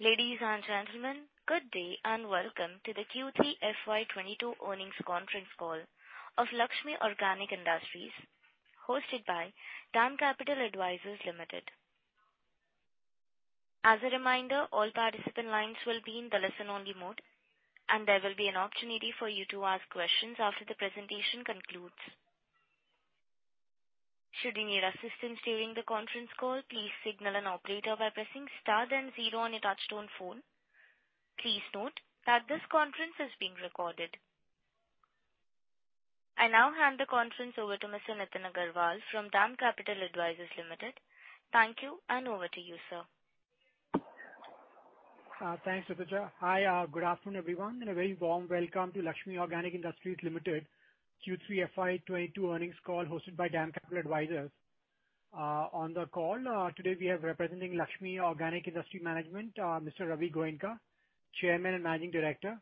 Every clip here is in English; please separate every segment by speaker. Speaker 1: Ladies and gentlemen, good day and welcome to the Q3 FY 2022 Earnings Conference Call of Laxmi Organic Industries, hosted by DAM Capital Advisors Limited. As a reminder, all participant lines will be in the listen-only mode, and there will be an opportunity for you to ask questions after the presentation concludes. Should you need assistance during the conference call, please signal an operator by pressing star then zero on your touchtone phone. Please note that this conference is being recorded. I now hand the conference over to Mr. Nitin Agarwal from DAM Capital Advisors Limited. Thank you, and over to you, sir.
Speaker 2: Thanks, Supriya. Hi, good afternoon, everyone, and a very warm welcome to Laxmi Organic Industries Limited Q3 FY 2022 Earnings Call hosted by DAM Capital Advisors. On the call today we have representing Laxmi Organic Industries management, Mr. Ravi Goenka, Chairman and Managing Director,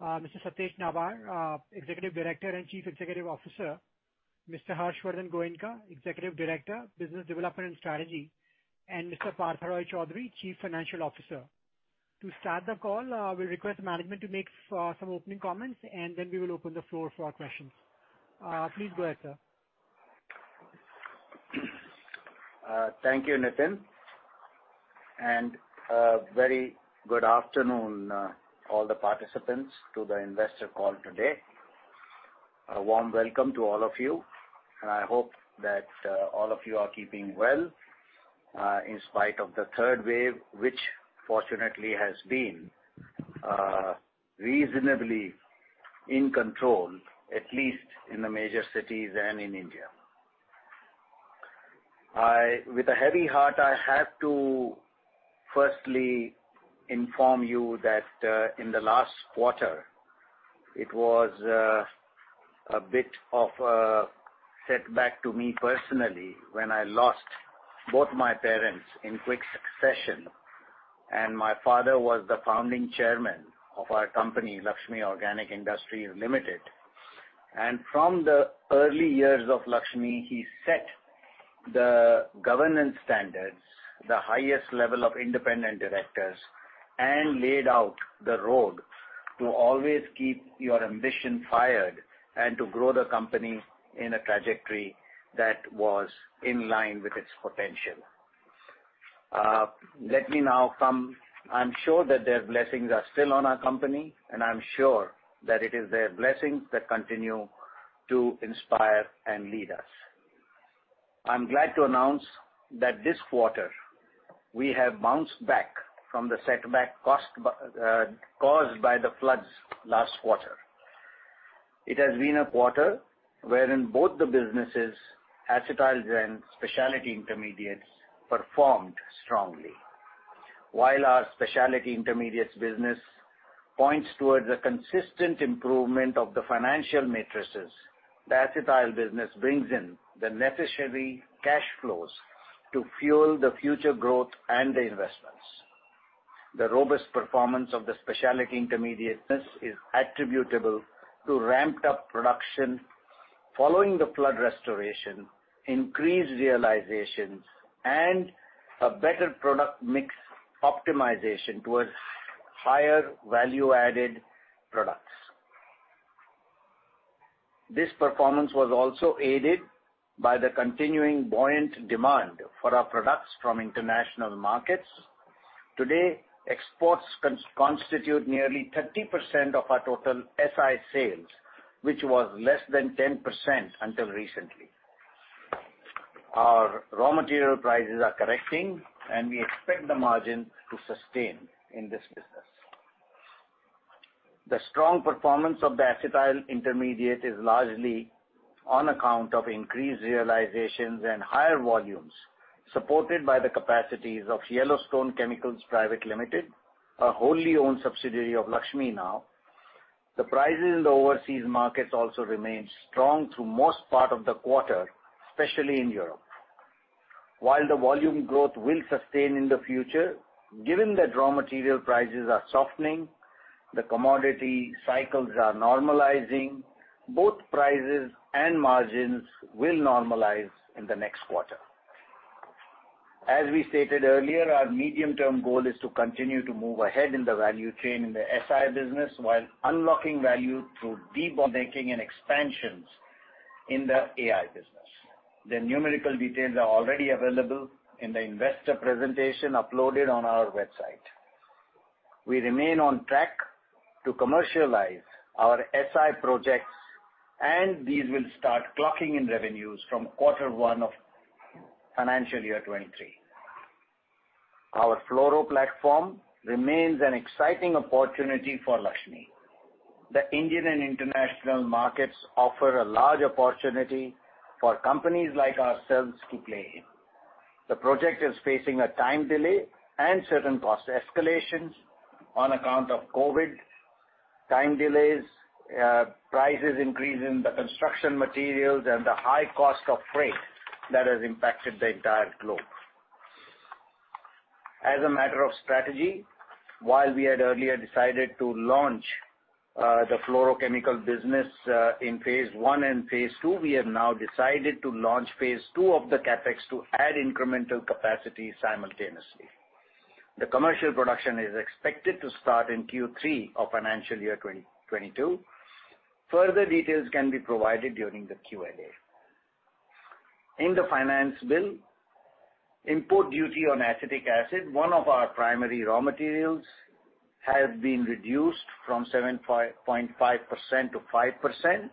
Speaker 2: Mr. Satej Nabar, Executive Director and Chief Executive Officer, Mr. Harshvardhan Goenka, Executive Director, Business Development and Strategy, and Mr. Partha Roy Chowdhury, Chief Financial Officer. To start the call, we request management to make some opening comments, and then we will open the floor for questions. Please go ahead, sir.
Speaker 3: Thank you, Nitin. Very good afternoon, all the participants to the investor call today. A warm welcome to all of you, and I hope that all of you are keeping well, in spite of the third wave, which fortunately has been reasonably in control, at least in the major cities and in India. With a heavy heart, I have to firstly inform you that, in the last quarter, it was a bit of a setback to me personally when I lost both my parents in quick succession, and my father was the founding chairman of our company, Laxmi Organic Industries Limited. From the early years of Laxmi, he set the governance standards, the highest level of independent directors, and laid out the road to always keep your ambition fired and to grow the company in a trajectory that was in line with its potential. I'm sure that their blessings are still on our company, and I'm sure that it is their blessings that continue to inspire and lead us. I'm glad to announce that this quarter we have bounced back from the setback caused by the floods last quarter. It has been a quarter wherein both the businesses, acetyls and Specialty Intermediates, performed strongly. While our Specialty Intermediates business points towards a consistent improvement of the financial metrics, the acetyl business brings in the necessary cash flows to fuel the future growth and the investments. The robust performance of the specialty intermediate business is attributable to ramped up production following the flood restoration, increased realizations, and a better product mix optimization towards higher value-added products. This performance was also aided by the continuing buoyant demand for our products from international markets. Today, exports constitute nearly 30% of our total SI sales, which was less than 10% until recently. Our raw material prices are correcting, and we expect the margin to sustain in this business. The strong performance of the acetyl intermediate is largely on account of increased realizations and higher volumes, supported by the capacities of Yellowstone Chemicals Private Limited, a wholly owned subsidiary of Laxmi now. The prices in the overseas markets also remain strong through most part of the quarter, especially in Europe. While the volume growth will sustain in the future, given that raw material prices are softening, the commodity cycles are normalizing, both prices and margins will normalize in the next quarter. As we stated earlier, our medium-term goal is to continue to move ahead in the value chain in the SI business while unlocking value through debottlenecking and expansions in the AI business. The numerical details are already available in the investor presentation uploaded on our website. We remain on track to commercialize our SI projects, and these will start clocking in revenues from quarter one of FY 2023. Our fluoro platform remains an exciting opportunity for Laxmi. The Indian and international markets offer a large opportunity for companies like ourselves to play in. The project is facing a time delay and certain cost escalations on account of COVID, time delays, price increases in the construction materials, and the high cost of freight that has impacted the entire globe. As a matter of strategy. While we had earlier decided to launch the fluorochemical business in phase I and phase II, we have now decided to launch phase II of the CapEx to add incremental capacity simultaneously. The commercial production is expected to start in Q3 of FY 2022. Further details can be provided during the Q&A. In the Finance Bill, import duty on acetic acid, one of our primary raw materials, has been reduced from 7.5% to 5%,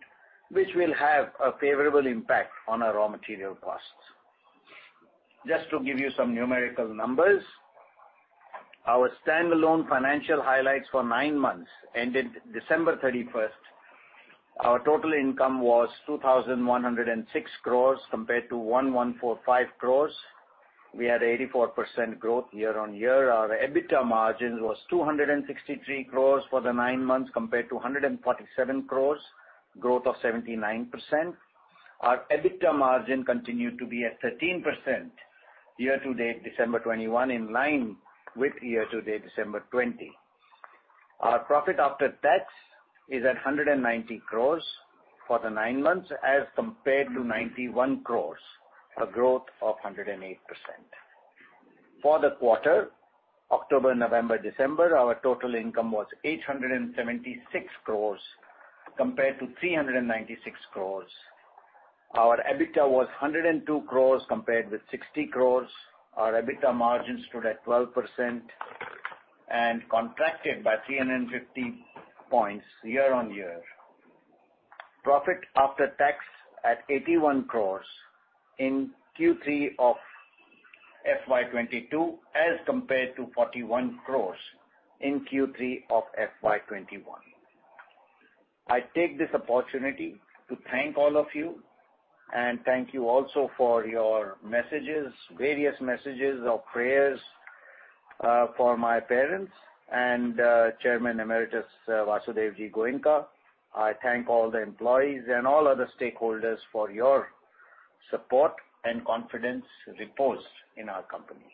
Speaker 3: which will have a favorable impact on our raw material costs. Just to give you some numerical numbers, our standalone financial highlights for nine months ended December 31. Our total income was 2,106 crores compared to 1,145 crores. We had 84% growth year-on-year. Our EBITDA margins was 263 crores for the nine months compared to 147 crores, growth of 79%. Our EBITDA margin continued to be at 13% year to date December 2021, in line with year to date December 2020. Our profit after tax is at 190 crores for the nine months as compared to 91 crores, a growth of 108%. For the quarter October, November, December, our total income was 876 crores compared to 396 crores. Our EBITDA was 102 crores compared with 60 crores. Our EBITDA margins stood at 12% and contracted by 350 points year-on-year. Profit after tax at 81 crore in Q3 FY 2022 as compared to 41 crore in Q3 FY 2021. I take this opportunity to thank all of you and thank you also for your messages, various messages of prayers, for my parents and Chairman Emeritus Vasudeo Goenka. I thank all the employees and all other stakeholders for your support and confidence reposed in our company.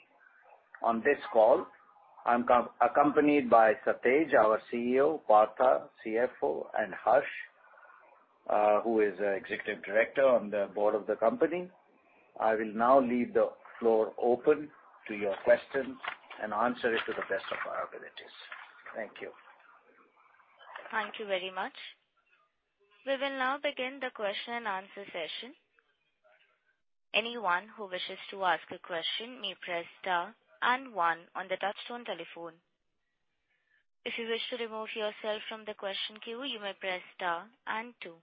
Speaker 3: On this call, I'm accompanied by Satej Nabar, our CEO, Partha Roy Chowdhury, CFO, and Harshvardhan Goenka, who is Executive Director on the board of the company. I will now leave the floor open to your questions and answer it to the best of our abilities. Thank you.
Speaker 1: Thank you very much. We will now begin the question and answer session. Anyone who wishes to ask a question may press star and one on the touchtone telephone. If you wish to remove yourself from the question queue, you may press star and two.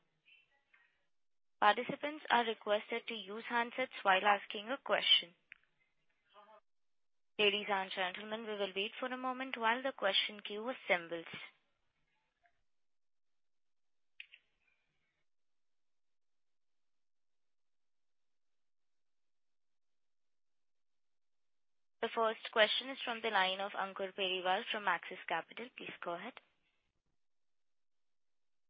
Speaker 1: Participants are requested to use handsets while asking a question. Ladies and gentlemen, we will wait for a moment while the question queue assembles. The first question is from the line of Ankur Periwal from Axis Capital. Please go ahead.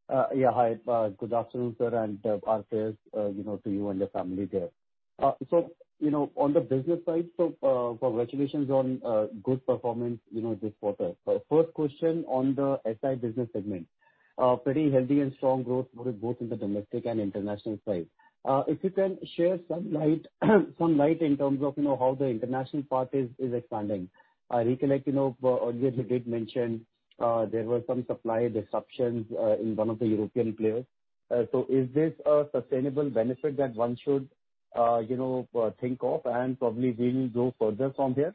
Speaker 4: Hi. Good afternoon, sir, and our prayers, you know, to you and your family there. You know, on the business side, congratulations on good performance, you know, this quarter. First question on the SI business segment. Pretty healthy and strong growth both in the domestic and international side. If you can share some light in terms of, you know, how the international part is expanding. I recollect, you know, earlier you did mention there were some supply disruptions in one of the European players. Is this a sustainable benefit that one should, you know, think of and probably will go further from here?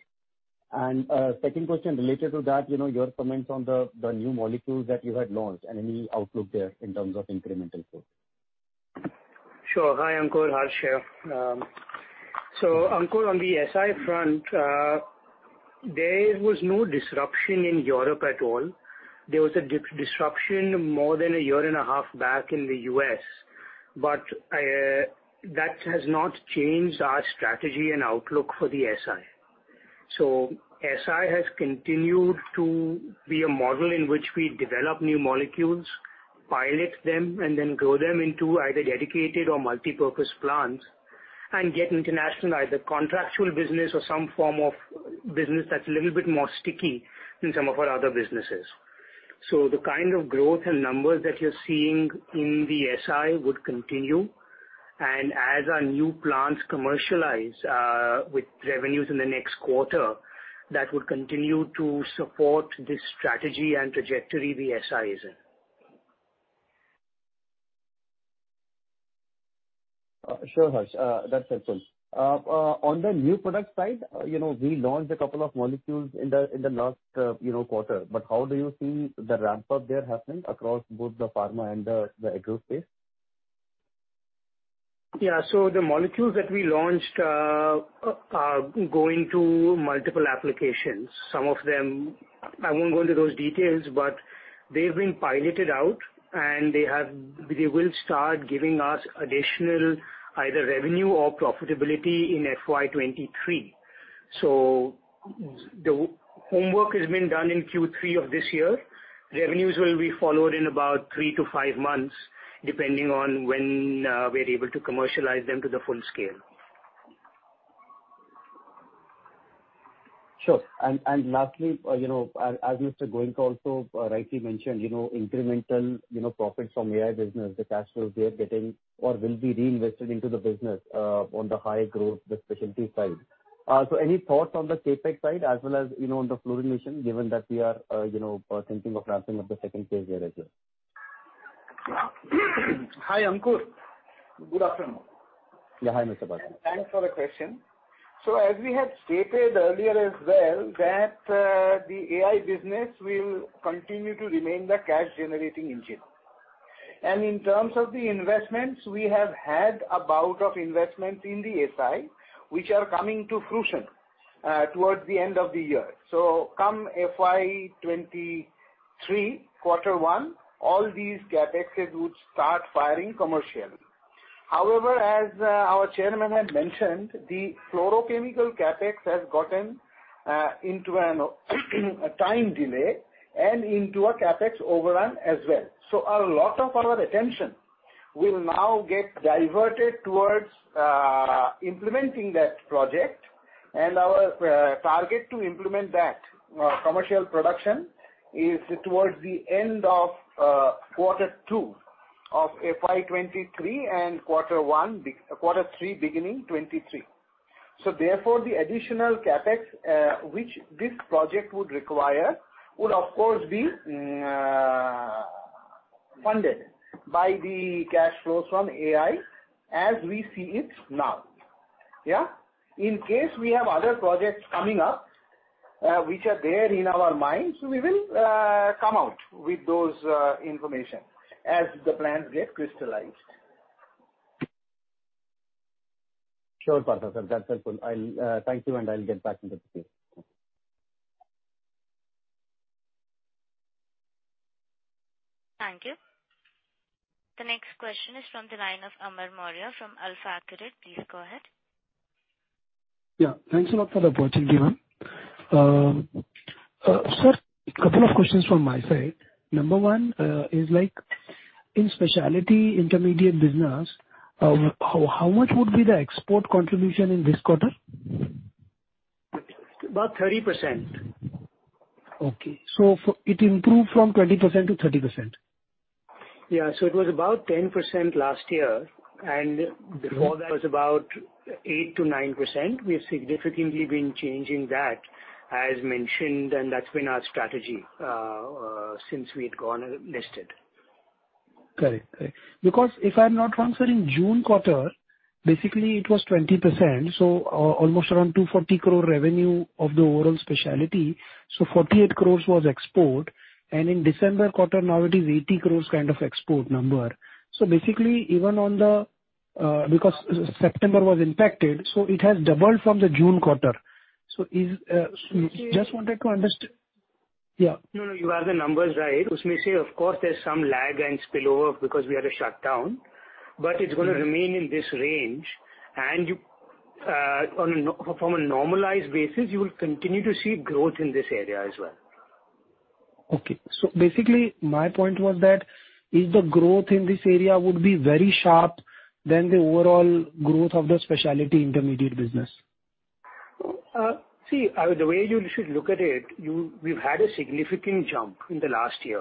Speaker 4: Second question related to that, you know, your comments on the new molecules that you had launched and any outlook there in terms of incremental growth?
Speaker 5: Sure. Hi, Ankur. Harsh here. Ankur, on the SI front, there was no disruption in Europe at all. There was a disruption more than a year and a half back in the U.S., but that has not changed our strategy and outlook for the SI. SI has continued to be a model in which we develop new molecules, pilot them, and then grow them into either dedicated or multipurpose plants and get international, either contractual business or some form of business that's a little bit more sticky than some of our other businesses. The kind of growth and numbers that you're seeing in the SI would continue. As our new plants commercialize, with revenues in the next quarter, that would continue to support this strategy and trajectory the SI is in.
Speaker 4: Sure, Harsh. That's helpful. On the new product side, you know, we launched a couple of molecules in the last quarter, but how do you see the ramp-up there happening across both the pharma and the agro space?
Speaker 5: The molecules that we launched are going to multiple applications. Some of them, I won't go into those details, but they've been piloted out, and they will start giving us additional either revenue or profitability in FY 2023. The homework has been done in Q3 of this year. Revenues will be followed in about three to five months, depending on when we're able to commercialize them to the full scale.
Speaker 4: Sure. Lastly, you know, as Mr. Goenka also rightly mentioned, you know, incremental profits from AI business, the cash flows we are getting or will be reinvested into the business on the high growth, the specialty side. Any thoughts on the CapEx side as well as, you know, on the fluorination, given that we are, you know, thinking of ramping up the second phase there as well.
Speaker 6: Hi, Ankur. Good afternoon.
Speaker 4: Yeah. Hi, Mr. Partha Roy Chowdhury.
Speaker 6: Thanks for the question. As we had stated earlier as well that, the AI business will continue to remain the cash generating engine. In terms of the investments, we have had a bout of investment in the SI, which are coming to fruition, towards the end of the year. Come FY 2023, quarter one, all these CapExes would start firing commercially. However, as our chairman had mentioned, the fluorochemical CapEx has gotten into a time delay and into a CapEx overrun as well. A lot of our attention will now get diverted towards implementing that project. Our target to implement that commercial production is towards the end of quarter two of FY 2023 and quarter three, beginning 2023. Therefore, the additional CapEx, which this project would require would of course be funded by the cash flows from AI as we see it now. Yeah. In case we have other projects coming up, which are there in our minds, we will come out with those information as the plans get crystallized.
Speaker 4: Sure, Partha, sir. That's helpful. Thank you, and I'll get back into the queue.
Speaker 1: Thank you. The next question is from the line of Amar Maurya from AlfAccurate. Please go ahead.
Speaker 7: Yeah. Thanks a lot for the opportunity, ma'am. Sir, couple of questions from my side. Number one, is like in Specialty Intermediates business, how much would be the export contribution in this quarter?
Speaker 5: About 30%.
Speaker 7: Okay. fit improved from 20% to 30%.
Speaker 5: Yeah. It was about 10% last year, and-
Speaker 7: Mm-hmm.
Speaker 5: Before that it was about 8%-9%. We've significantly been changing that, as mentioned, and that's been our strategy since we had gone listed.
Speaker 7: Correct. Because if I'm not wrong, sir, in June quarter, basically it was 20%, so almost around 240 crore revenue of the overall specialty. So 48 crore was export. In December quarter, now it is 80 crore kind of export number. Basically even on the, because September was impacted, so it has doubled from the June quarter. Just wanted to understand-
Speaker 5: See-
Speaker 7: Yeah.
Speaker 5: No, no, you have the numbers right. We may say, of course, there's some lag and spillover because we had a shutdown. It's gonna remain in this range. You, on a normalized basis, you will continue to see growth in this area as well.
Speaker 7: Okay. Basically my point was that if the growth in this area would be very sharp, then the overall growth of the Specialty Intermediates business.
Speaker 5: The way you should look at it, we've had a significant jump in the last year.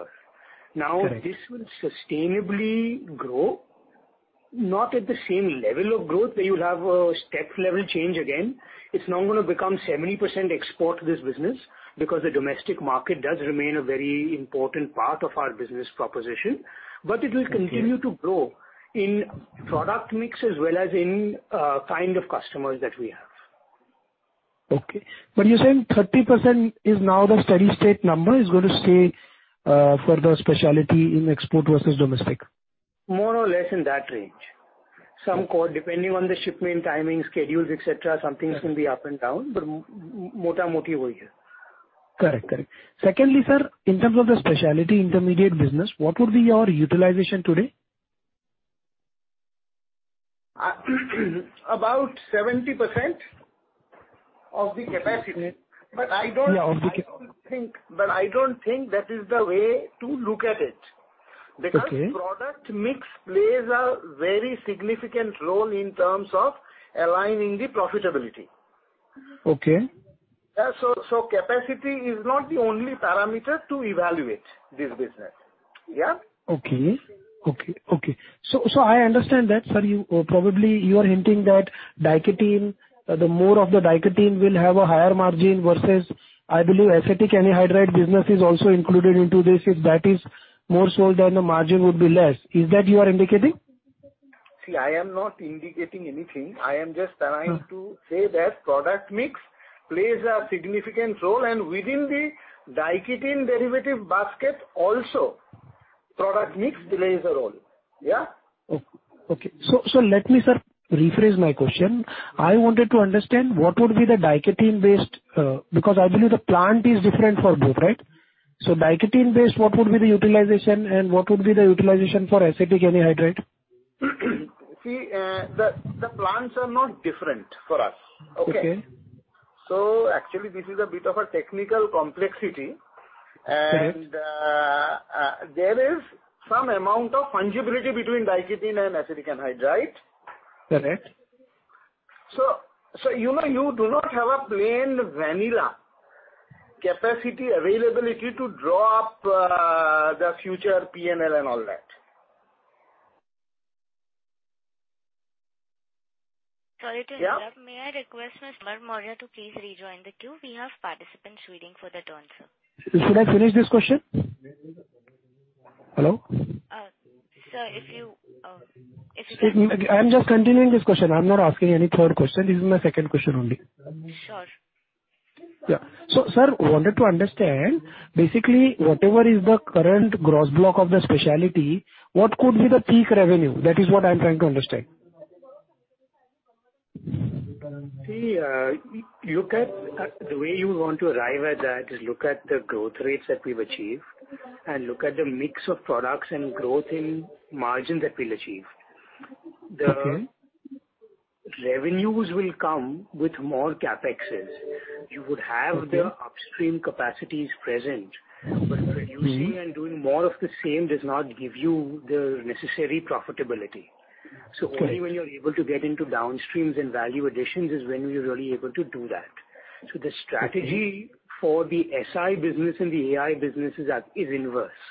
Speaker 7: Correct.
Speaker 5: Now, this will sustainably grow, not at the same level of growth that you'll have a step level change again. It's now gonna become 70% export to this business because the domestic market does remain a very important part of our business proposition.
Speaker 7: Okay.
Speaker 5: It will continue to grow in product mix as well as in kind of customers that we have.
Speaker 7: Okay. You're saying 30% is now the steady state number is gonna stay, for the specialty in export versus domestic.
Speaker 5: More or less in that range. Depending on the shipment, timing, schedules, et cetera, some things can be up and down.
Speaker 7: Okay.
Speaker 5: Mota-moti over here.
Speaker 7: Correct. Secondly, sir, in terms of the Specialty Intermediates business, what would be your utilization today?
Speaker 6: About 70% of the capacity.
Speaker 7: Yeah, of the.
Speaker 6: I don't think that is the way to look at it.
Speaker 7: Okay.
Speaker 6: Because product mix plays a very significant role in terms of aligning the profitability.
Speaker 7: Okay.
Speaker 6: Yeah. Capacity is not the only parameter to evaluate this business. Yeah.
Speaker 7: Okay. I understand that, sir. You probably are hinting that diketene, the more of the diketene will have a higher margin versus, I believe, acetic anhydride business is also included into this. If that is more so, then the margin would be less. Is that you are indicating?
Speaker 6: See, I am not indicating anything.
Speaker 7: Uh.
Speaker 6: I am just trying to say that product mix plays a significant role, and within the diketene derivative basket also product mix plays a role. Yeah.
Speaker 7: Okay. Let me, sir, rephrase my question. I wanted to understand what would be the diketene-based. Because I believe the plant is different for both, right? Diketene-based, what would be the utilization and what would be the utilization for acetic anhydride?
Speaker 6: See, the plants are not different for us. Okay?
Speaker 7: Okay.
Speaker 6: Actually this is a bit of a technical complexity.
Speaker 7: Mm-hmm.
Speaker 6: There is some amount of fungibility between diketene and acetic anhydride.
Speaker 7: Correct.
Speaker 6: You know, you do not have a plain vanilla capacity availability to draw up the future P&L and all that.
Speaker 1: Sorry to interrupt.
Speaker 5: Yeah.
Speaker 1: May I request Mr. Amar Maurya to please rejoin the queue. We have participants waiting for their turn, sir.
Speaker 7: Should I finish this question? Hello?
Speaker 1: Sir, if you can.
Speaker 7: I'm just continuing this question. I'm not asking any third question. This is my second question only.
Speaker 1: Sure.
Speaker 7: Sir, I wanted to understand, basically, whatever is the current gross block of the specialty, what could be the peak revenue? That is what I'm trying to understand.
Speaker 5: The way you want to arrive at that is look at the growth rates that we've achieved, and look at the mix of products and growth in margins that we'll achieve.
Speaker 7: Mm-hmm.
Speaker 5: The revenues will come with more CapExes.
Speaker 7: Okay.
Speaker 5: You would have the upstream capacities present.
Speaker 7: Mm-hmm.
Speaker 5: Producing and doing more of the same does not give you the necessary profitability.
Speaker 7: Okay.
Speaker 5: Only when you're able to get into downstreams and value additions is when we're really able to do that.
Speaker 7: Okay.
Speaker 5: The strategy for the SI business and the AI business is inverse.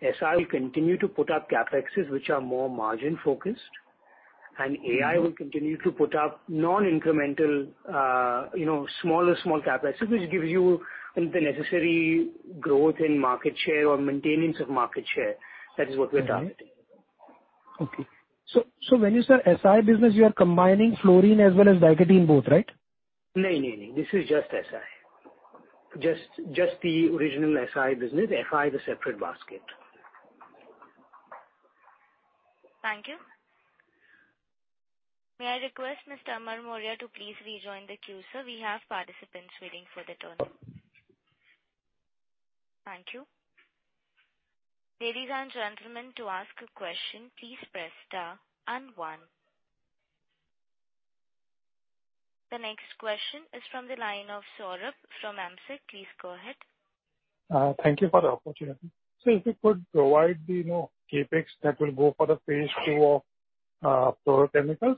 Speaker 5: SI will continue to put up CapExes which are more margin-focused.
Speaker 7: Mm-hmm.
Speaker 5: AI will continue to put up non-incremental, smaller CapExes, which gives you the necessary growth in market share or maintenance of market share. That is what we're targeting.
Speaker 7: When you say SI business, you are combining fluorine as well as diketene both, right?
Speaker 5: No, no. This is just SI. Just the original SI business. FI is a separate basket.
Speaker 1: Thank you. May I request Mr. Amar Maurya to please rejoin the queue, sir. We have participants waiting for their turn. Thank you. Ladies and gentlemen, to ask a question, please press star and one. The next question is from the line of Saurabh from Emkay. Please go ahead.
Speaker 8: Thank you for the opportunity. If you could provide the, you know, CapEx that will go for the phase II of fluorochemicals.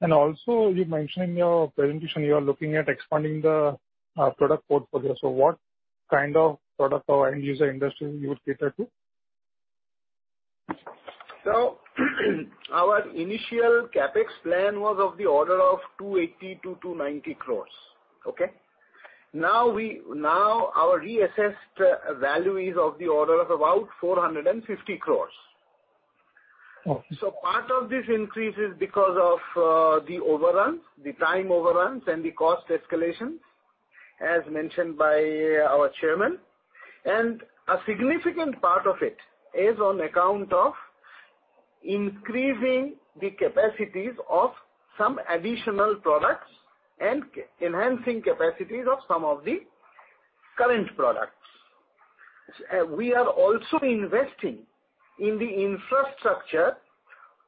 Speaker 8: Also you mentioned in your presentation you are looking at expanding the product portfolio. What kind of product or end user industry you would cater to?
Speaker 6: Our initial CapEx plan was of the order of 280 crore-290 crore. Okay? Now our reassessed value is of the order of about 450 crore.
Speaker 8: Okay.
Speaker 6: Part of this increase is because of the overruns, the time overruns and the cost escalations, as mentioned by our Chairman. A significant part of it is on account of increasing the capacities of some additional products and enhancing capacities of some of the current products. We are also investing in the infrastructure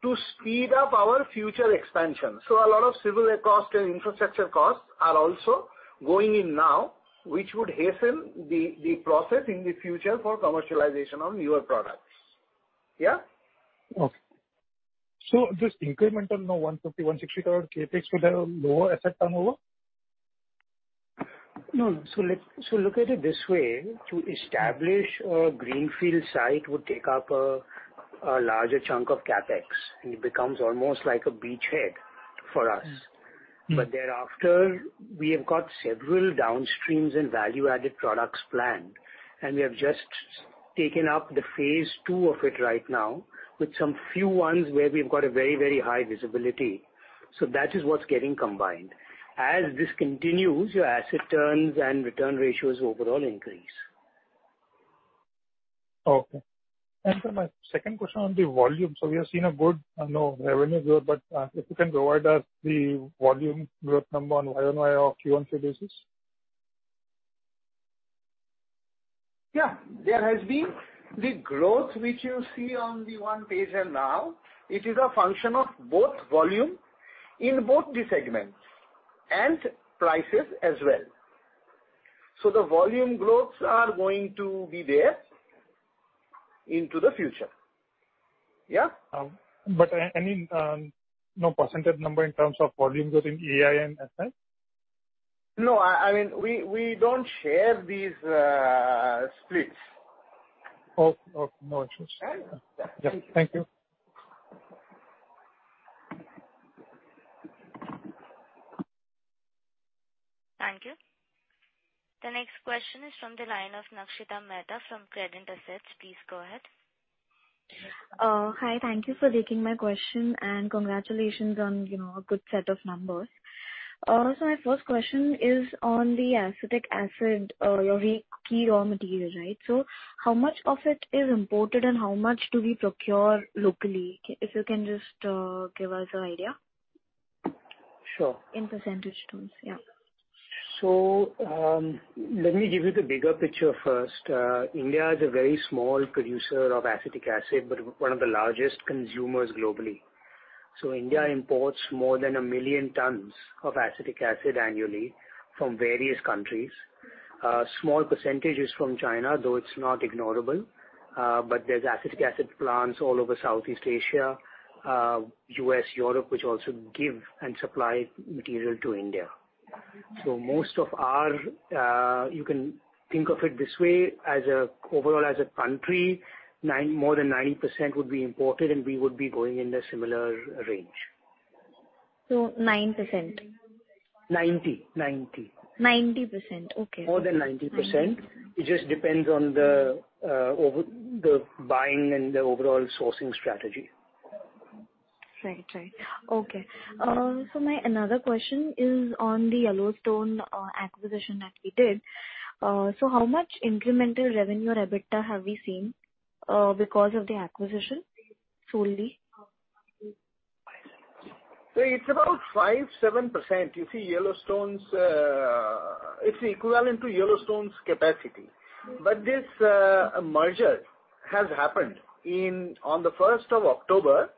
Speaker 6: to speed up our future expansion. A lot of civil cost and infrastructure costs are also going in now, which would hasten the process in the future for commercialization of newer products. Yeah?
Speaker 8: Okay. This incremental, you know, 150 crore-160 crore CapEx would have a lower asset turnover?
Speaker 5: No. Look at it this way. To establish a greenfield site would take up a larger chunk of CapEx, and it becomes almost like a beachhead for us.
Speaker 8: Mm-hmm.
Speaker 5: Thereafter, we have got several downstreams and value-added products planned, and we have just taken up the phase II of it right now with some few ones where we've got a very, very high visibility. That is what's getting combined. As this continues, your asset turns and return ratios overall increase.
Speaker 8: Okay. Sir, my second question on the volume. We have seen a good, you know, revenue growth, but if you can provide us the volume growth number on year-over-year or quarter-over-quarter basis.
Speaker 6: Yeah. There has been the growth which you see on the one pager now. It is a function of both volume in both the segments and prices as well. The volume growths are going to be there into the future. Yeah?
Speaker 8: Any, you know, percentage number in terms of volume growth in AI and SI?
Speaker 6: No, I mean, we don't share these splits.
Speaker 8: Oh, okay. No issues.
Speaker 6: Right.
Speaker 8: Yeah. Thank you.
Speaker 1: Thank you. The next question is from the line of Nakshita Mehta from Credent Global. Please go ahead.
Speaker 9: Hi. Thank you for taking my question, and congratulations on, you know, a good set of numbers. My first question is on the acetic acid, your key raw material, right? How much of it is imported and how much do we procure locally? If you can just give us an idea.
Speaker 5: Sure.
Speaker 9: In percentage terms. Yeah.
Speaker 5: Let me give you the bigger picture first. India is a very small producer of acetic acid, but one of the largest consumers globally. India imports more than 1 million tons of acetic acid annually from various countries. Small percentage is from China, though it's not ignorable. There's acetic acid plants all over Southeast Asia, U.S., Europe, which also give and supply material to India. You can think of it this way, overall as a country, more than 90% would be imported, and we would be going in a similar range.
Speaker 9: 9%.
Speaker 5: 90%.
Speaker 9: 90%. Okay.
Speaker 5: More than 90%.
Speaker 9: 90%.
Speaker 5: It just depends on the buying and the overall sourcing strategy.
Speaker 9: Right. Okay.
Speaker 5: Yeah.
Speaker 9: My another question is on the Yellowstone acquisition that we did. How much incremental revenue or EBITDA have we seen because of the acquisition solely?
Speaker 6: It's about 5.7%. You see Yellowstone's. It's equivalent to Yellowstone's capacity.
Speaker 9: Mm-hmm.
Speaker 6: This merger has happened on the 1st October,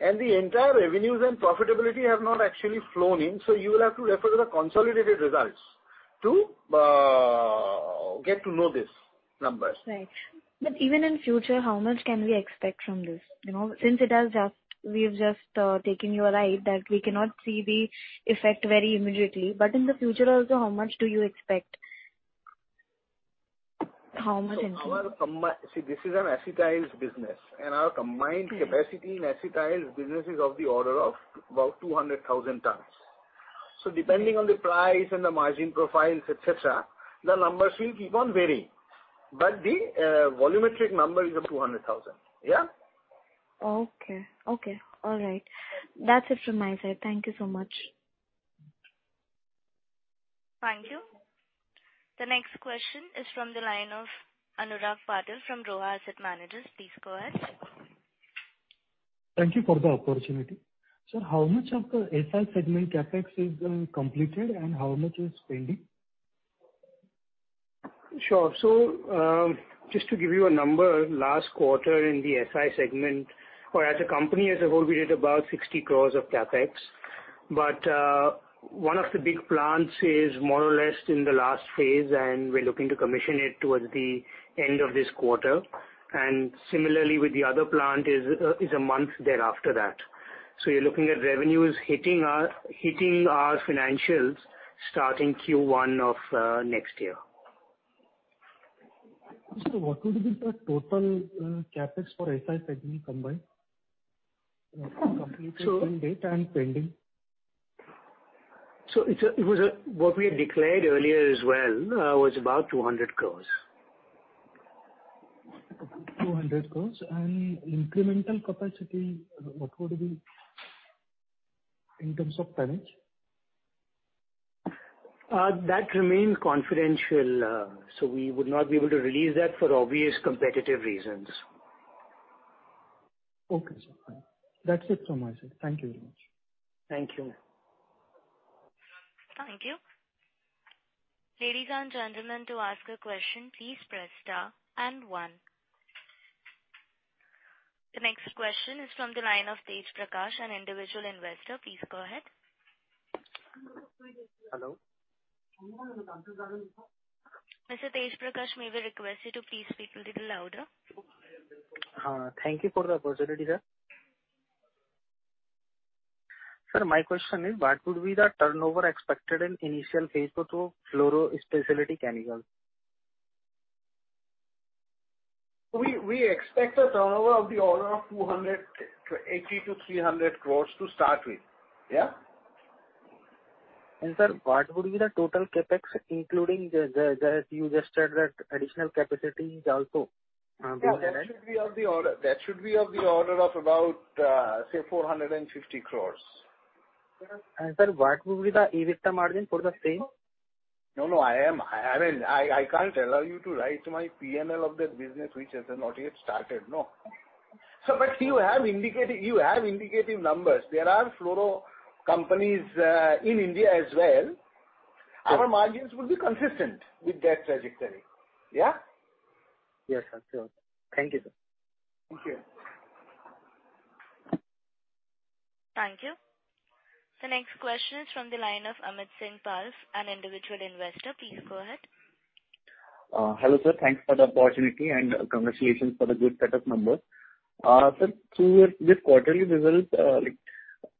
Speaker 6: and the entire revenues and profitability have not actually flown in. You will have to refer to the consolidated results to get to know these numbers.
Speaker 9: Right. Even in future, how much can we expect from this? You know, we have just taken over. Right, that we cannot see the effect very immediately. In the future also, how much do you expect? How much into-
Speaker 5: See, this is an acetyls business. Our combined
Speaker 9: Mm-hmm.
Speaker 5: Capacity in acetyls business is of the order of about 200,000 tons. Depending on the price and the margin profiles, et cetera, the numbers will keep on varying. The volumetric number is of 200,000. Yeah.
Speaker 9: Okay. All right. That's it from my side. Thank you so much.
Speaker 1: Thank you. The next question is from the line of Anurag Patil from Roha Asset Managers. Please go ahead.
Speaker 10: Thank you for the opportunity. Sir, how much of the SI segment CapEx has been completed and how much is pending?
Speaker 5: Sure, just to give you a number, last quarter in the SI segment or as a company as a whole, we did about 60 crore of CapEx. One of the big plants is more or less in the last phase, and we're looking to commission it towards the end of this quarter. Similarly, the other plant is a month thereafter. You're looking at revenues hitting our financials starting Q1 of next year.
Speaker 10: What would be the total CapEx for SI segment combined?
Speaker 5: So-
Speaker 10: Completed end date and pending.
Speaker 5: What we had declared earlier as well was about 200 crore.
Speaker 10: Okay, 200 crore. Incremental capacity, what would it be in terms of tonnage?
Speaker 5: That remains confidential, so we would not be able to release that for obvious competitive reasons.
Speaker 10: Okay, sir. That's it from my side. Thank you very much.
Speaker 5: Thank you.
Speaker 1: Thank you. Ladies and gentlemen, to ask a question, please press star and one. The next question is from the line of Tej Prakash, an Individual Investor. Please go ahead.
Speaker 11: Hello.
Speaker 1: Mr. Tej Prakash, may we request you to please speak a little louder?
Speaker 11: Thank you for the opportunity, sir. Sir, my question is, what would be the turnover expected in initial phase of the Fluoro Specialty chemical?
Speaker 6: We expect a turnover of the order of 280 crore-300 crore to start with. Yeah.
Speaker 11: Sir, what would be the total CapEx, including the additional capacity you just said is also being added.
Speaker 6: That should be of the order of about, say 450 crores.
Speaker 11: Sir, what would be the EBITDA margin for the same?
Speaker 5: No, I can't allow you to write my P&L of that business which has not yet started. No.
Speaker 6: You have indicated you have indicative numbers. There are fluoro companies in India as well.
Speaker 11: Yes.
Speaker 6: Our margins will be consistent with their trajectory. Yeah?
Speaker 11: Yes, sir. Sure. Thank you, sir.
Speaker 5: Thank you.
Speaker 1: Thank you. The next question is from the line of Amit Singh Pal, an Individual Investor. Please go ahead.
Speaker 12: Hello sir. Thanks for the opportunity and congratulations for the good set of numbers. Sir, through your this quarterly results, like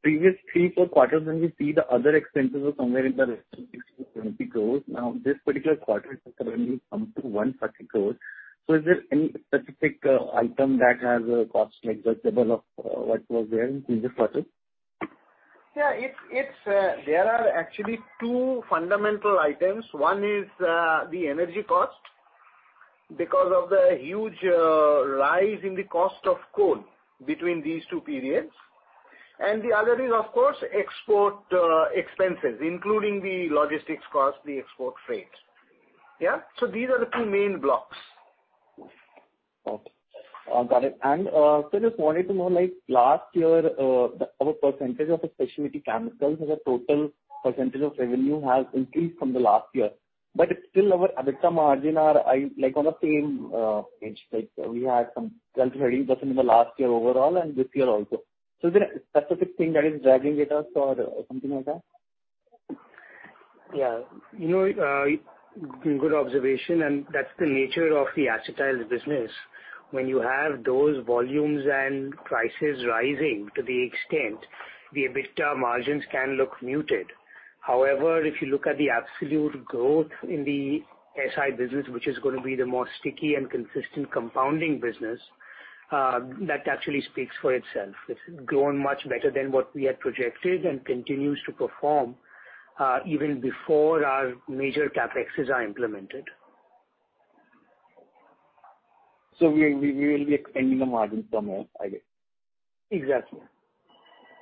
Speaker 12: previous three, four quarters when we see the other expenses were somewhere in the range of 60-70 crores. Now this particular quarter it has suddenly come to 130 crores. Is there any specific item that has a cost like that develop, what was there in previous quarter?
Speaker 6: Yeah. It's, there are actually two fundamental items. One is the energy cost because of the huge rise in the cost of coal between these two periods. The other is of course export expenses, including the logistics cost, the export freight. Yeah. These are the two main blocks.
Speaker 12: Okay. Got it. Just wanted to know, like last year, our percentage of the specialty chemicals as a total percentage of revenue has increased from the last year. Still our EBITDA margin are like on the same page, like we had some 12%-13% in the last year overall and this year also. Is there a specific thing that is dragging it up or something like that?
Speaker 5: Yeah. You know, good observation, and that's the nature of the acetyls business. When you have those volumes and prices rising to the extent, the EBITDA margins can look muted. However, if you look at the absolute growth in the SI business, which is gonna be the more sticky and consistent compounding business, that actually speaks for itself. It's grown much better than what we had projected and continues to perform, even before our major CapExes are implemented.
Speaker 12: We will be expanding the margin some more, I guess.
Speaker 5: Exactly.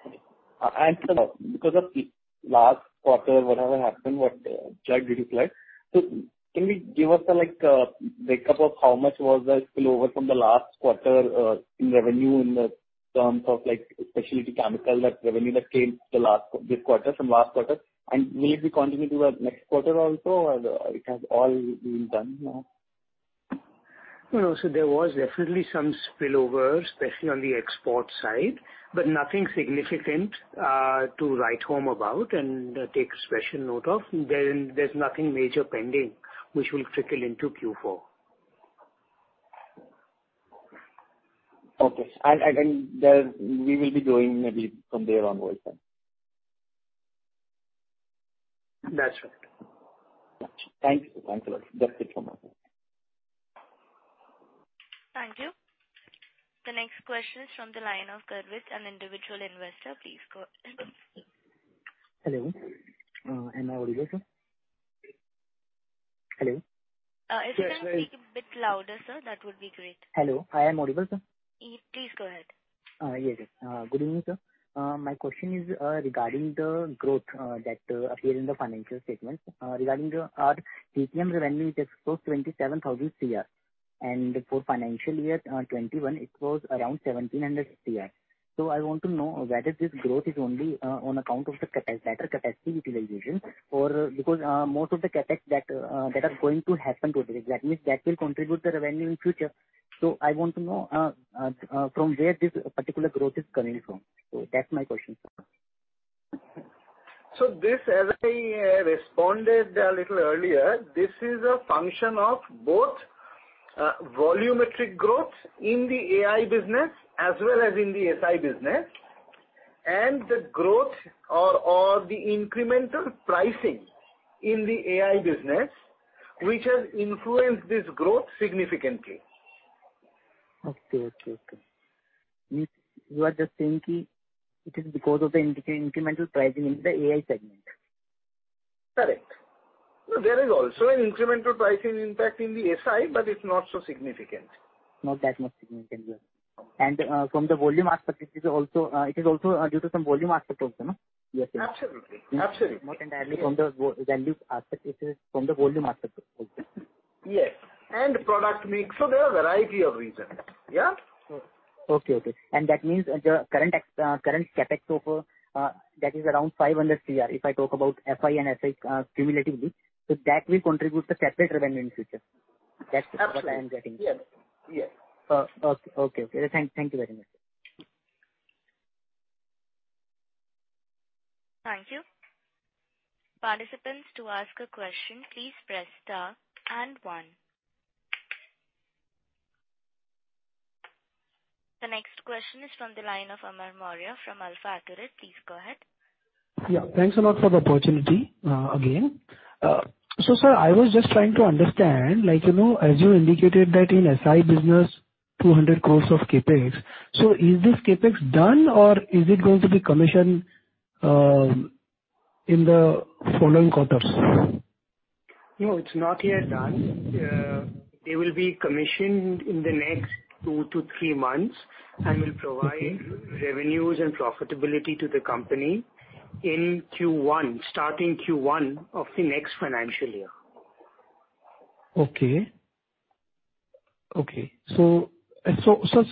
Speaker 12: Okay. Because of last quarter, whatever happened, what Jagdish led, can we give us a, like a break-up of how much was the spillover from the last quarter, in revenue in terms of like specialty chemical, that revenue that came this quarter from last quarter, and will it be continuing to the next quarter also, or it has all been done now?
Speaker 5: You know, there was definitely some spillover, especially on the export side, but nothing significant to write home about and take special note of. There's nothing major pending which will trickle into Q4.
Speaker 12: Okay. We will be growing maybe from there onwards then.
Speaker 5: That's right.
Speaker 12: Got you. Thank you. Thanks a lot. That's it from my side.
Speaker 1: Thank you. The next question is from the line of Gurvis, an Individual Investor. Please go ahead.
Speaker 13: Hello. Am I audible, sir? Hello?
Speaker 1: Uh, if you can-
Speaker 5: Yes.
Speaker 1: Speak a bit louder, sir, that would be great.
Speaker 13: Hello. Am I audible, sir?
Speaker 1: Please go ahead.
Speaker 13: Yes, yes. Good evening, sir. My question is regarding the growth that appeared in the financial statement regarding our top-line revenue. It posted 2,700 crore. For financial year 2021, it was around 1,700 crore. I want to know whether this growth is only on account of the capacity utilization or because most of the CapEx that are going to happen today, that means that will contribute the revenue in future. I want to know from where this particular growth is coming from. That's my question, sir.
Speaker 6: This, as I responded a little earlier, this is a function of both, volumetric growth in the AI business as well as in the SI business, and the growth or the incremental pricing in the AI business, which has influenced this growth significantly.
Speaker 13: Okay. You are just saying it is because of the incremental pricing in the AI segment?
Speaker 6: Correct. No, there is also an incremental pricing impact in the SI, but it's not so significant.
Speaker 13: Not that much significant, yeah. From the volume aspect, it is also due to some volume aspect also, no?
Speaker 6: Absolutely.
Speaker 13: More than value from the values aspect, it is from the volume aspect also.
Speaker 6: Yes. Product mix. There are variety of reasons. Yeah.
Speaker 13: That means the current CapEx of that is around 500 crore, if I talk about FI and SI cumulatively, so that will contribute the separate revenue in future.
Speaker 6: Absolutely.
Speaker 13: That's what I am getting.
Speaker 6: Yes. Yes.
Speaker 13: Okay. Thank you very much.
Speaker 1: Thank you. Participants, to ask a question, please press star and one. The next question is from the line of Amar Maurya from AlfAccurate Advisors. Please go ahead.
Speaker 7: Yeah. Thanks a lot for the opportunity, again. Sir, I was just trying to understand, like, you know, as you indicated that in SI business, 200 crores of CapEx. Is this CapEx done or is it going to be commissioned in the following quarters?
Speaker 5: No, it's not yet done. They will be commissioned in the next two to three months.
Speaker 7: Okay.
Speaker 5: Will provide revenues and profitability to the company in Q1, starting Q1 of the next financial year.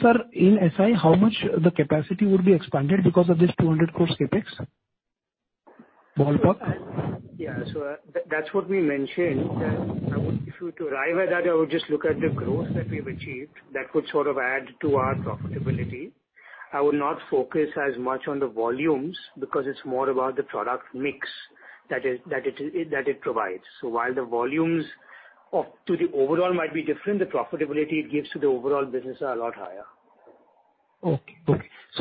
Speaker 7: Sir, in SI, how much the capacity would be expanded because of this 200 crore CapEx, ballpark?
Speaker 5: That's what we mentioned. If you want to arrive at that, I would just look at the growth that we have achieved that could sort of add to our profitability. I would not focus as much on the volumes because it's more about the product mix that it provides. While the volumes to the overall might be different, the profitability it gives to the overall business are a lot higher.
Speaker 7: Okay.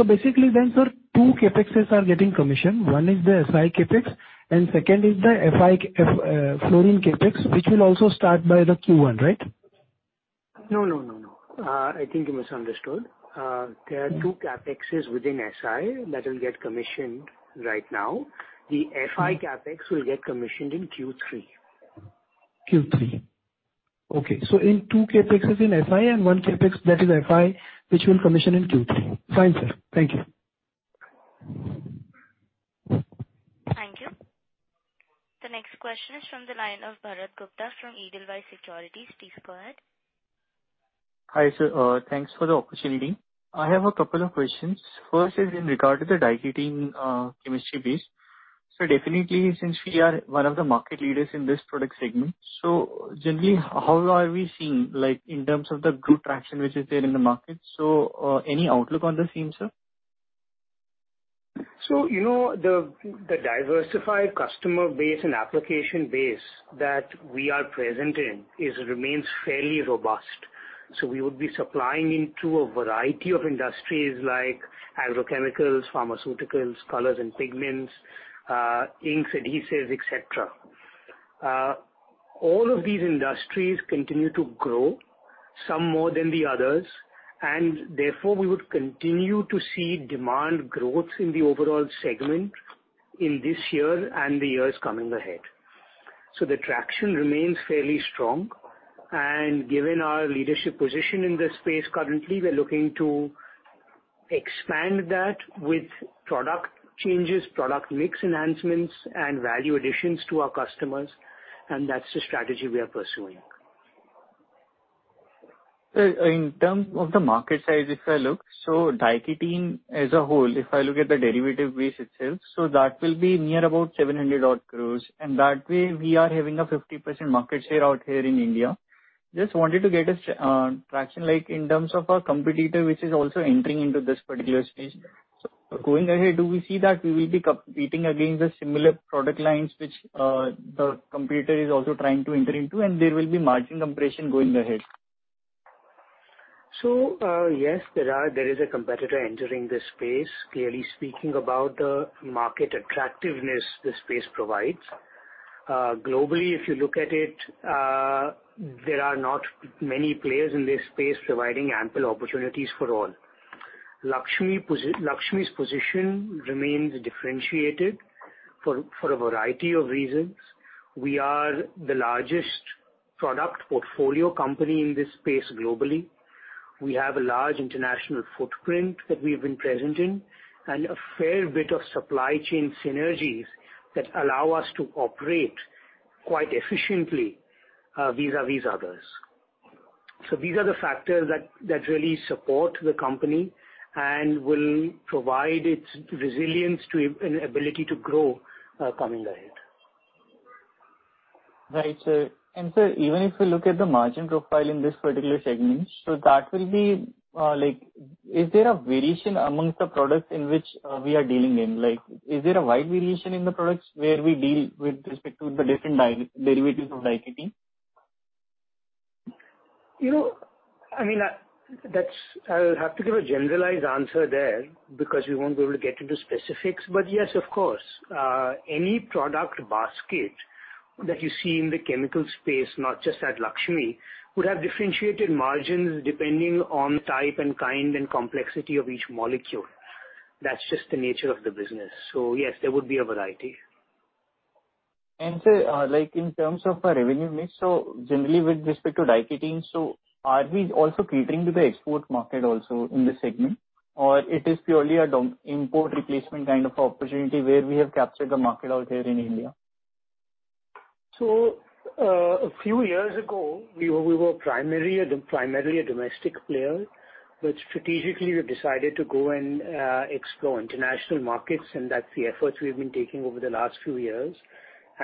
Speaker 7: Basically, sir, two CapExes are getting commissioned. One is the SI CapEx, and second is the FI fluorine CapEx, which will also start by the Q1, right?
Speaker 5: No. I think you misunderstood. There are two CapExes within SI that will get commissioned right now. The FI CapEx will get commissioned in Q3.
Speaker 7: Q3. Okay. In two CapExes in SI and one CapEx that is FI, which will commission in Q3. Fine, sir. Thank you.
Speaker 1: Thank you. The next question is from the line of Bharat Gupta from Edelweiss Financial Services. Please go ahead.
Speaker 14: Hi, sir. Thanks for the opportunity. I have a couple of questions. First is in regard to the diketene chemistry base. Definitely since we are one of the market leaders in this product segment, generally, how are we seeing, like in terms of the growth traction which is there in the market, any outlook on the same, sir?
Speaker 5: You know, the diversified customer base and application base that we are present in it remains fairly robust. We would be supplying into a variety of industries like agrochemicals, pharmaceuticals, colors and pigments, inks, adhesives, et cetera. All of these industries continue to grow, some more than the others, and therefore we would continue to see demand growth in the overall segment in this year and the years coming ahead. The traction remains fairly strong. Given our leadership position in this space currently, we're looking to expand that with product changes, product mix enhancements and value additions to our customers, and that's the strategy we are pursuing.
Speaker 14: Sir, in terms of the market size, if I look, diketene as a whole, if I look at the derivative base itself, that will be near about 700-odd crore, and that way we are having a 50% market share out here in India. Just wanted to get a traction like in terms of our competitor, which is also entering into this particular space. Going ahead, do we see that we will be competing against the similar product lines which the competitor is also trying to enter into, and there will be margin compression going ahead?
Speaker 5: Yes, there are. There is a competitor entering this space, clearly speaking about the market attractiveness the space provides. Globally, if you look at it, there are not many players in this space providing ample opportunities for all. Laxmi's position remains differentiated for a variety of reasons. We are the largest product portfolio company in this space globally. We have a large international footprint that we've been present in, and a fair bit of supply chain synergies that allow us to operate quite efficiently, vis-à-vis others. These are the factors that really support the company and will provide its resilience to and ability to grow, coming ahead.
Speaker 14: Right, sir. Sir, even if you look at the margin profile in this particular segment, so that will be like is there a variation amongst the products in which we are dealing in? Like, is there a wide variation in the products where we deal with respect to the different diketene derivatives of diketene?
Speaker 5: You know, I mean, I'll have to give a generalized answer there because we won't be able to get into specifics. Yes, of course. Any product basket that you see in the chemical space, not just at Laxmi, would have differentiated margins depending on the type and kind and complexity of each molecule. That's just the nature of the business. Yes, there would be a variety.
Speaker 14: Sir, like in terms of our revenue mix, so generally with respect to diketene, so are we also catering to the export market also in this segment? Or it is purely an import replacement kind of opportunity where we have captured the market out there in India?
Speaker 5: A few years ago we were primarily a domestic player. Strategically we've decided to go and explore international markets, and that's the efforts we've been taking over the last few years.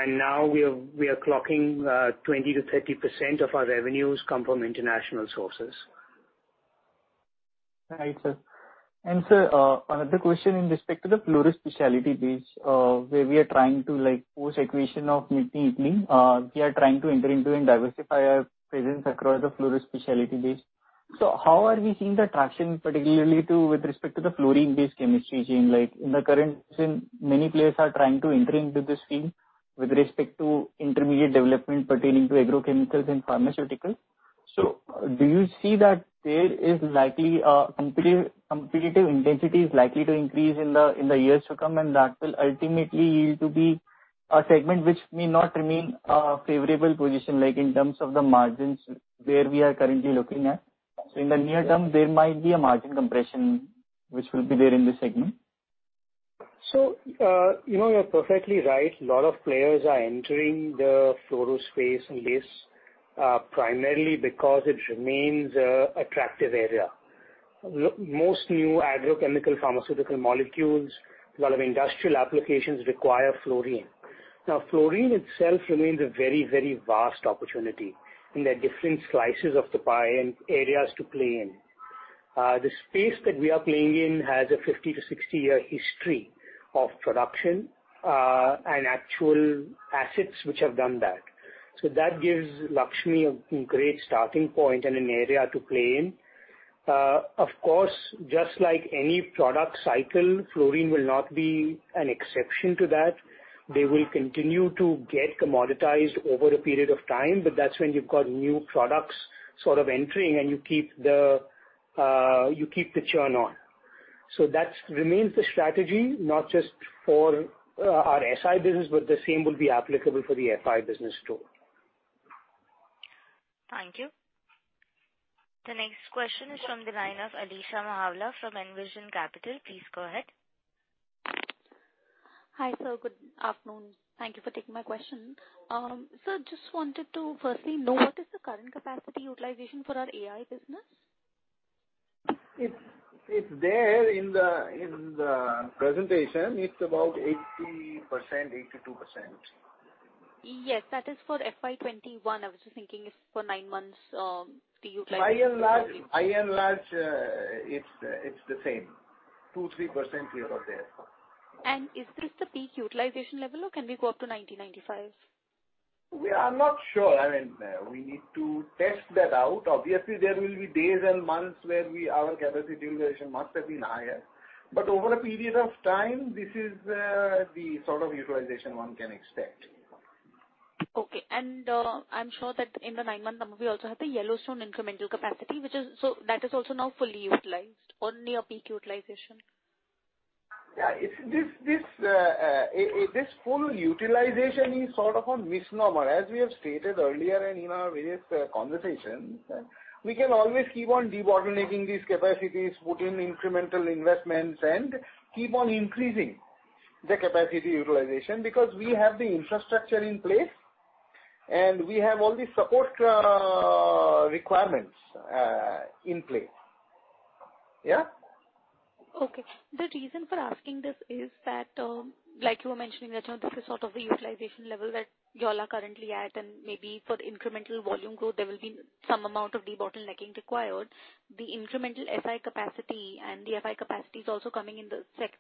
Speaker 5: Now we are clocking 20%-30% of our revenues come from international sources.
Speaker 14: Right, sir. Sir, another question in respect to the Fluoro Specialty base, where we are trying to like post acquisition of Miteni S.p.A. We are trying to enter into and diversify our presence across the Fluoro Specialty base. How are we seeing the traction particularly with respect to the fluorine-based chemistry chain? Like in the current scene, many players are trying to enter into this field with respect to intermediate development pertaining to agrochemicals and pharmaceuticals. Do you see that there is likely a competitive intensity is likely to increase in the years to come, and that will ultimately lead to be a segment which may not remain favorable position, like in terms of the margins where we are currently looking at? In the near term, there might be a margin compression which will be there in this segment.
Speaker 5: You know, you're perfectly right. A lot of players are entering the fluoro space and base primarily because it remains an attractive area. Look, most new agrochemical, pharmaceutical molecules, a lot of industrial applications require fluorine. Now fluorine itself remains a very, very vast opportunity in the different slices of the pie and areas to play in. The space that we are playing in has a 50-60-year history of production and actual assets which have done that. That gives Laxmi a great starting point and an area to play in. Of course, just like any product cycle, fluorine will not be an exception to that. They will continue to get commoditized over a period of time, but that's when you've got new products sort of entering and you keep the churn on. That remains the strategy not just for our SI business, but the same will be applicable for the FI business too.
Speaker 1: Thank you. The next question is from the line of Alisha Mahawla from Envision Capital. Please go ahead.
Speaker 15: Hi, sir. Good afternoon. Thank you for taking my question. Sir, just wanted to firstly know what is the current capacity utilization for our AI business?
Speaker 6: It's there in the presentation. It's about 80%, 82%.
Speaker 15: Yes. That is for FY 2021. I was just thinking for nine months, the utilization.
Speaker 6: By and large, it's the same, 2%-3% here or there.
Speaker 15: Is this the peak utilization level or can we go up to 90%-95%?
Speaker 6: We are not sure. I mean, we need to test that out. Obviously, there will be days and months where our capacity utilization must have been higher. Over a period of time, this is, the sort of utilization one can expect.
Speaker 15: Okay. I'm sure that in the nine-month number, we also have the Yellowstone incremental capacity, which is so that is also now fully utilized on near peak utilization.
Speaker 6: It's this full utilization is sort of a misnomer. As we have stated earlier and in our various conversations, we can always keep on debottlenecking these capacities, put in incremental investments, and keep on increasing the capacity utilization. Because we have the infrastructure in place, and we have all the support requirements in place.
Speaker 15: Okay. The reason for asking this is that, like you were mentioning, Rajan, this is sort of the utilization level that y'all are currently at, and maybe for the incremental volume growth there will be some amount of debottlenecking required. The incremental SI capacity and the FI capacity is also coming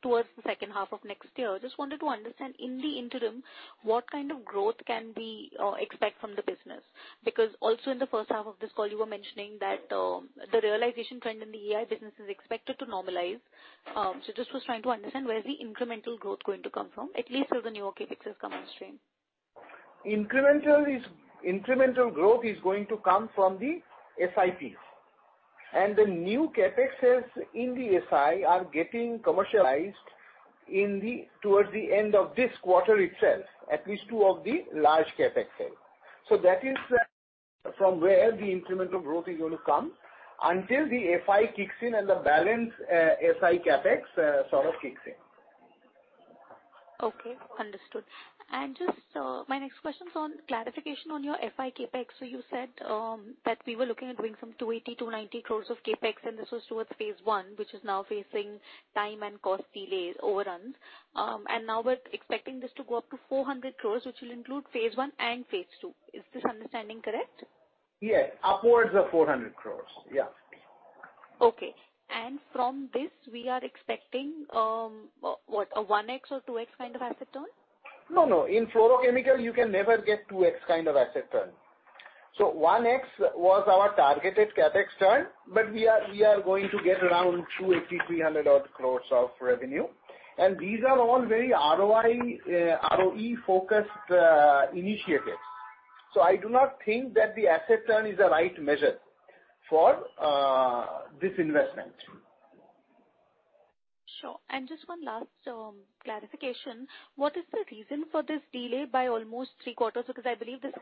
Speaker 15: towards the second half of next year. I just wanted to understand, in the interim, what kind of growth can we expect from the business? Because also in the first half of this call you were mentioning that, the realization trend in the AI business is expected to normalize. Just was trying to understand where is the incremental growth going to come from, at least till the new CapEx has come on stream.
Speaker 6: Incremental growth is going to come from the SI. The new CapExes in the SI are getting commercialized towards the end of this quarter itself, at least two of the large CapExes. That is from where the incremental growth is going to come until the FI kicks in and the balance SI CapEx sort of kicks in.
Speaker 15: Okay, understood. Just, my next question's on clarification on your fluoro CapEx. You said that we were looking at doing some 280-290 crores of CapEx, and this was towards phase I, which is now facing time and cost delays, overruns. Now we are expecting this to go up to 400 crores, which will include phase I and phase II. Is this understanding correct?
Speaker 6: Yes. Upwards of 400 crores. Yeah.
Speaker 15: Okay. From this we are expecting, what? A 1x or 2x kind of asset turn?
Speaker 6: No, no. In fluorochemical you can never get 2x kind of asset turn. One x was our targeted CapEx turn, but we are going to get around 280-300 crore of revenue. These are all very ROI, ROE-focused initiatives. I do not think that the asset turn is the right measure for this investment.
Speaker 15: Sure. Just one last clarification. What is the reason for this delay by almost three quarters? Because I believe this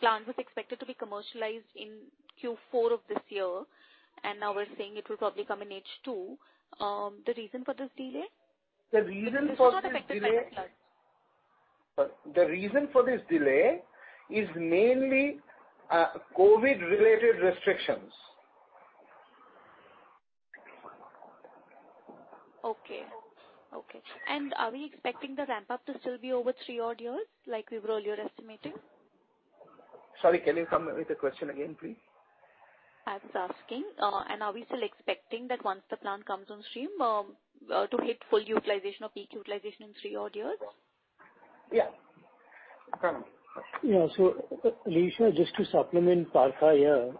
Speaker 15: plant was expected to be commercialized in Q4 of this year, and now we're saying it will probably come in H2. The reason for this delay?
Speaker 6: The reason for this delay.
Speaker 15: This has not affected CapEx plans.
Speaker 6: The reason for this delay is mainly, COVID-related restrictions.
Speaker 15: Okay. Are we expecting the ramp-up to still be over three odd years, like we were earlier estimating?
Speaker 5: Sorry, can you come with the question again, please?
Speaker 15: I was asking, are we still expecting that once the plant comes on stream to hit full utilization or peak utilization in three odd years?
Speaker 6: Yeah. Partha, question.
Speaker 5: Alisha, just to supplement Partha here,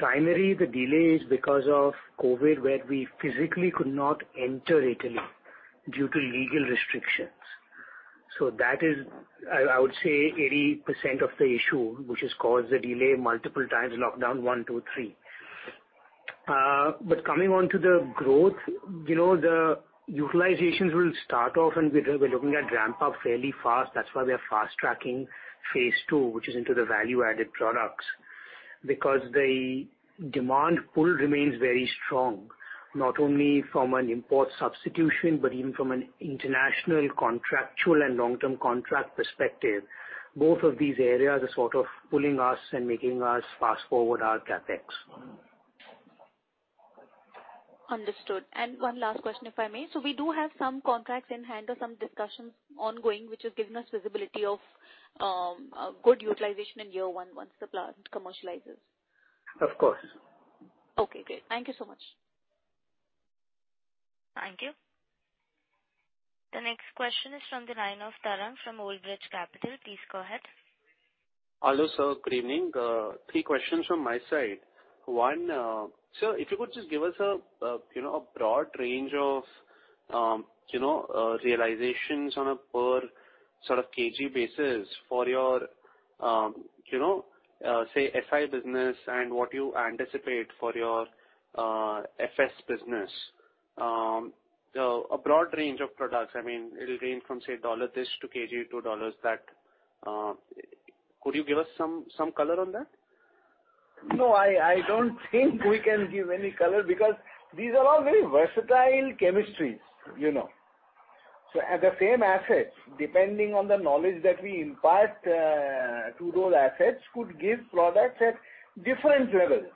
Speaker 5: the primary delay is because of COVID, where we physically could not enter Italy due to legal restrictions. That is, I would say 80% of the issue which has caused the delay multiple times, lockdown one, two, three. Coming on to the growth, the utilizations will start off and we're looking at ramp up fairly fast. That's why we are fast-tracking phase II, which is into the value-added products. Because the demand pull remains very strong, not only from an import substitution, but even from an international contractual and long-term contract perspective. Both of these areas are sort of pulling us and making us fast-forward our CapEx.
Speaker 15: Understood. One last question, if I may. We do have some contracts in hand or some discussions ongoing, which has given us visibility of a good utilization in year one, once the plant commercializes.
Speaker 5: Of course.
Speaker 15: Okay, great. Thank you so much.
Speaker 1: Thank you. The next question is from the line of Tarang Agrawal from Old Bridge Capital. Please go ahead.
Speaker 16: Hello, sir. Good evening. Three questions from my side. One, sir, if you could just give us a broad range of realizations on a per kg basis for your FI business and what you anticipate for your FS business. A broad range of products. I mean, it'll range from, say, $3 per kg to $23 per kg. Could you give us some color on that?
Speaker 6: No, I don't think we can give any color because these are all very versatile chemistries, you know. At the same assets, depending on the knowledge that we impart to those assets could give products at different levels.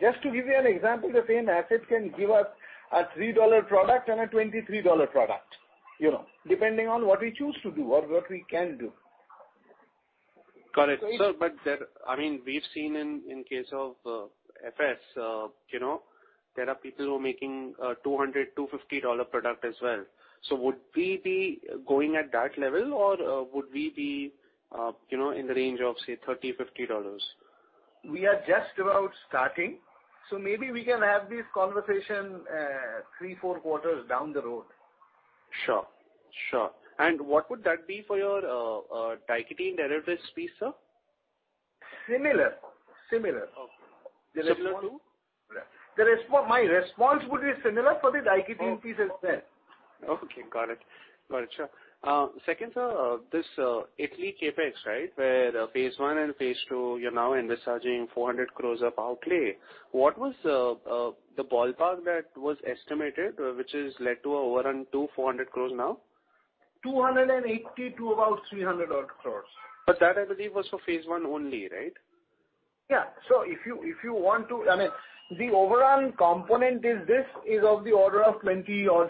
Speaker 6: Just to give you an example, the same asset can give us a $3 product and a $23 product, you know, depending on what we choose to do or what we can do.
Speaker 16: Got it. I mean, we've seen in case of FS, you know, there are people who are making $200-$250 product as well. Would we be going at that level or would we be you know in the range of say $30-$50?
Speaker 6: We are just about starting, so maybe we can have this conversation, three, four quarters down the road.
Speaker 16: Sure. What would that be for your diketene derivatives piece, sir?
Speaker 6: Similar.
Speaker 16: Okay. Similar to?
Speaker 6: My response would be similar for the diketene piece as well.
Speaker 16: Okay. Got it. Sure. Second, sir, this initial CapEx, right? Where phase I and phase II, you're now investing 400 crores approximately. What was the ballpark that was estimated, which has led to overrun to 400 crores now?
Speaker 6: 280 crore to about 300 odd crores.
Speaker 16: That I believe was for phase I only, right?
Speaker 6: If you want to, I mean, the overrun component is this, of the order of 20%-odd.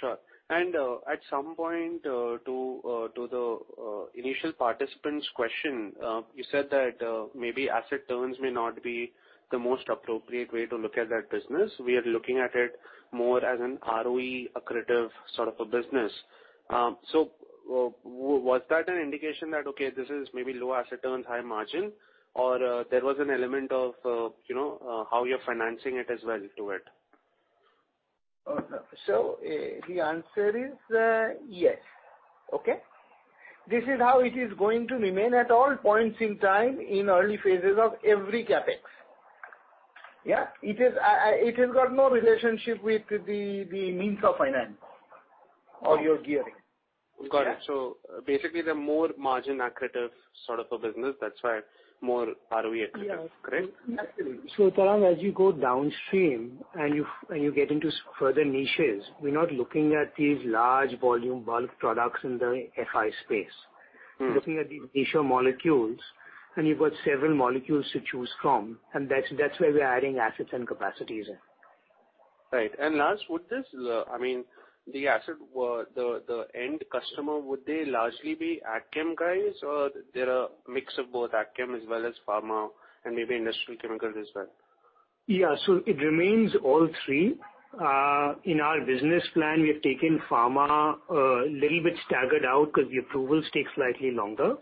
Speaker 16: Sure. At some point, to the initial participant's question, you said that maybe asset turns may not be the most appropriate way to look at that business. We are looking at it more as an ROE accretive sort of a business. So was that an indication that, okay, this is maybe low asset turns, high margin, or there was an element of, you know, how you're financing it as well into it?
Speaker 6: The answer is, yes. Okay? This is how it is going to remain at all points in time in early phases of every CapEx. It has got no relationship with the means of finance or your gearing.
Speaker 16: Got it.
Speaker 6: Yeah.
Speaker 16: Basically, the more margin accretive sort of a business, that's why more ROE accretive.
Speaker 6: Yeah.
Speaker 16: Correct?
Speaker 6: Absolutely.
Speaker 5: Tarang, as you go downstream and you get into further niches, we're not looking at these large volume bulk products in the FI space.
Speaker 16: Mm-hmm.
Speaker 5: We're looking at the niche of molecules, and you've got several molecules to choose from, and that's why we are adding assets and capacities in.
Speaker 16: Right. Last, would this, I mean, the asset, the end customer, would they largely be agchem guys or there's a mix of both agchem as well as pharma and maybe industrial chemicals as well?
Speaker 5: Yeah. It remains all three. In our business plan, we have taken pharma, little bit staggered out 'cause the approvals take slightly longer,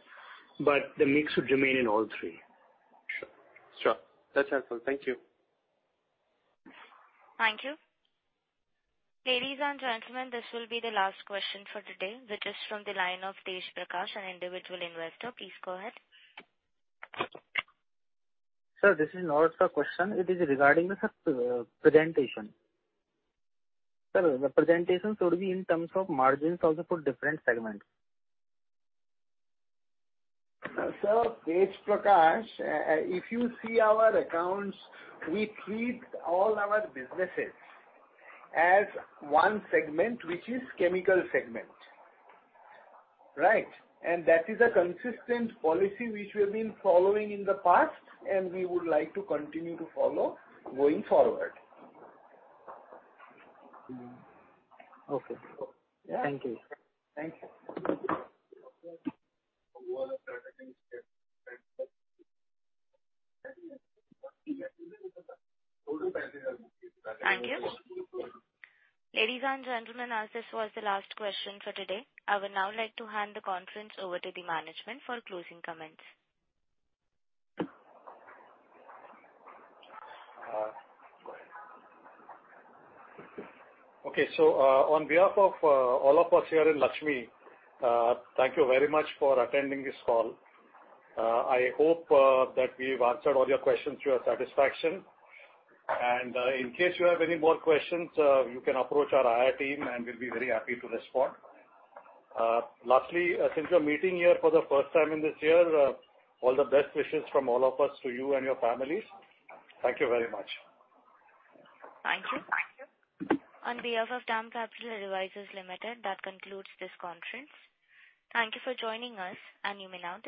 Speaker 5: but the mix would remain in all three.
Speaker 16: Sure. Sure. That's helpful. Thank you.
Speaker 1: Thank you. Ladies and gentlemen, this will be the last question for today, which is from the line of Tej Prakash, an Individual Investor. Please go ahead.
Speaker 11: Sir, this is not a question. It is regarding the presentation. Sir, the presentation could be in terms of margins also for different segments.
Speaker 6: Sir Tej Prakash, if you see our accounts, we treat all our businesses as one segment, which is chemical segment. Right? That is a consistent policy which we've been following in the past and we would like to continue to follow going forward.
Speaker 11: Okay.
Speaker 6: So.
Speaker 11: Thank you.
Speaker 6: Thank you.
Speaker 1: Thank you. Ladies and gentlemen, as this was the last question for today, I would now like to hand the conference over to the management for closing comments.
Speaker 3: Okay. On behalf of all of us here in Laxmi, thank you very much for attending this call. I hope that we've answered all your questions to your satisfaction. In case you have any more questions, you can approach our IR team, and we'll be very happy to respond. Lastly, since we're meeting here for the first time in this year, all the best wishes from all of us to you and your families. Thank you very much.
Speaker 1: Thank you. On behalf of DAM Capital Advisors Limited, that concludes this conference. Thank you for joining us, and you may now disconnect your lines.